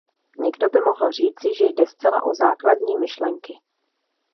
Někdo by mohl říci, že jde o zcela základní myšlenky.